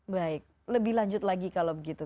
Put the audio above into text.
baik lebih lanjut lagi kalau begitu